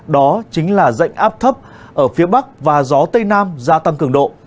đó chính là dạnh áp thấp ở phía bắc và gió tây nam gia tăng cường độ